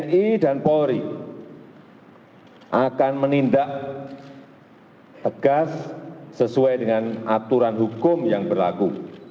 tni dan polri akan menindak tegas sesuai dengan aturan hukum yang berlaku